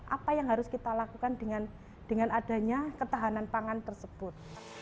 apa yang harus kita lakukan dengan adanya ketahanan pangan tersebut